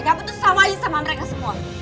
kamu tuh sama aja sama mereka semua